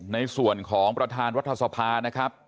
ในส่วนของประธานรัฐสภานะครับ